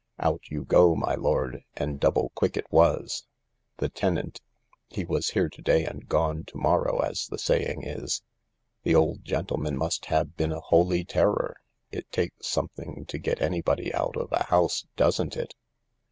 'Out yougo, my lord, 'and double quick it was. The tenant, he was here to day and gone to morrow as the saying is. The old gentleman must have been a holy terror — it takes something to get anybody out of a house, doesn't it